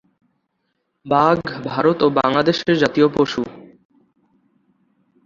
বাঘ ভারত ও বাংলাদেশের জাতীয় পশু।